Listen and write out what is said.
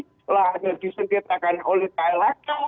setelahnya disentitakan oleh kailaka